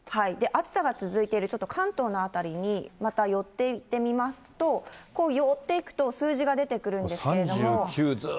暑さが続いているちょっと関東の辺りにまた寄っていってみますと、こう寄っていくと数字が出てくるんですけれども。